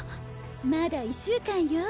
まだ１週間よ。